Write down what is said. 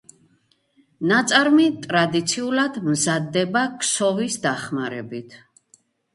ნაწარმი ტრადიციულად მზადდება ქსოვის დახმარებით.